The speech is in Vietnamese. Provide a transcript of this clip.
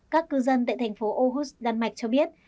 các cư dân tại thành phố aohus đan mạch cho biết